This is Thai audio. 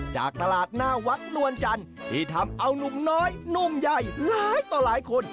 จากตลาดหน้าวัดนวลจันทร์ที่ทำเอานุ่มน้อยหนุ่มใหญ่หลายต่อหลายคน